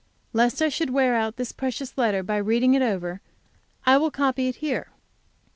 Lest I should wear out this precious letter by reading it over, I will copy it here.